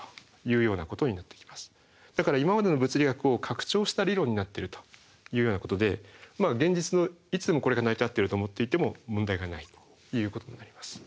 だから今までの物理学を拡張した理論になってるというようなことで現実のいつでもこれが成り立ってると思っていても問題がないということになります。